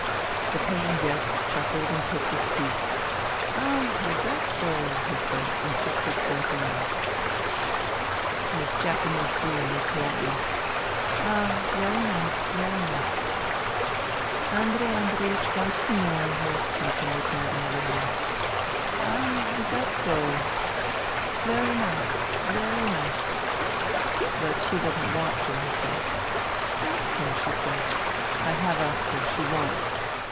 The paying guest chuckled and picked his teeth. " Ah 1 ... Iz zas so ?" he said and sucked his breath in "... zzz ..." as Japanese do in their politeness. " Ah !... Very nice 1 Very nice 1 "" Andrei Andreiech wants to marry her," continued Madame Olenin. " Ah 1 ... Iz zas so ?... zzz .... Very nice ! Very nice !"" But she doesn't want to," I said. " Ask her," she said. " I have asked her. She won't."